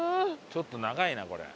ちょっと長いなこれ。